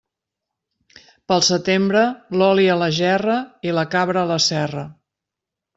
Pel setembre, l'oli a la gerra i la cabra a la serra.